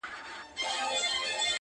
زه وايم راسه شعر به وليكو ـ